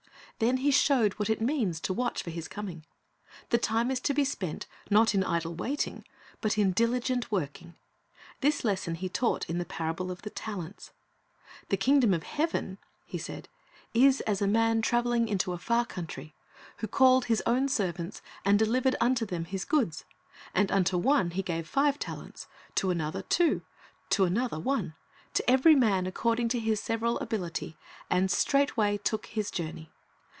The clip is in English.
Then He showed what it means to watch for His coming. The time is to be spent, not in idle waiting, but in diligent working. This lesson He taught in the parable of the talents. "The kingdom of heaven," He said, "is as a man traveling into a far country, who called his own servants, and delivered unto them his goods. And unto one he gave five talents, to another two, and to another one; to every man according to his several abiHty; and straightway took his journey."